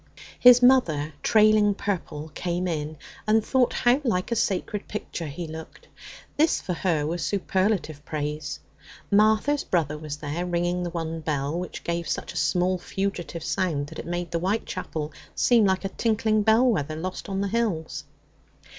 His mother, trailing purple, came in, and thought how like a sacred picture he looked; this, for her, was superlative praise. Martha's brother was there, ringing the one bell, which gave such a small fugitive sound that it made the white chapel seem like a tinkling bell wether lost on the hills.